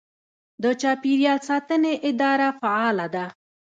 د چاپیریال ساتنې اداره فعاله ده.